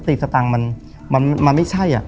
คือสติสตังค์มันไม่ใช่